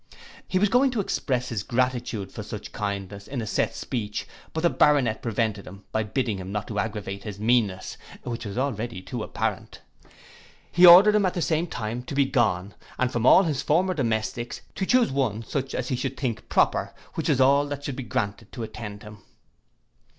He was going to express his gratitude for such kindness in a set speech; but the Baronet prevented him by bidding him not aggravate his meanness, which was already but too apparent. He ordered him at the same time to be gone, and from all his former domestics to chuse one such as he should think proper, which was all that should be granted to attend him.